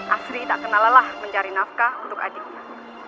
asri tak kenalalah mencari nafkah untuk adiknya